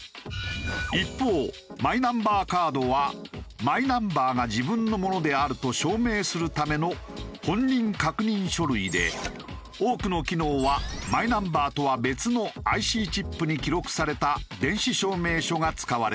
一方マイナンバーカードはマイナンバーが自分のものであると証明するための本人確認書類で多くの機能はマイナンバーとは別のＩＣチップに記録された電子証明書が使われている。